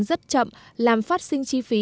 rất chậm làm phát sinh chi phí